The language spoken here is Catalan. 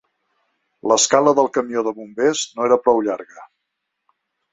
L'escala del camió de bombers no era prou llarga.